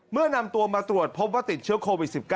เมื่อนำตัวมาตรวจพบว่าติดเชื้อโควิด๑๙